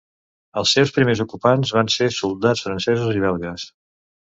Els seus primers ocupants van ser soldats francesos i belgues.